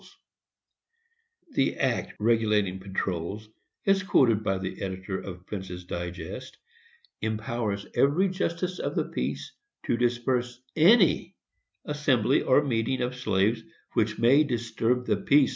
] "The act regulating patrols," as quoted by the editor of Prince's Digest, empowers every justice of the peace to disperse ANY assembly or meeting of slaves which may disturb the peace, &c.